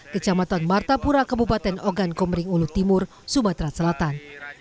kecamatan martapura kebupaten ogan komering ulu timur sumatera selatan